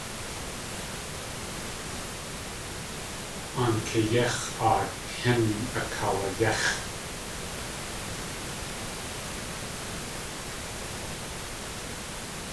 Aankayéx̲aa tín akaawayéx̲.